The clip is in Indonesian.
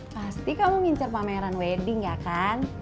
pasti kamu ngincer pameran wedding ya kan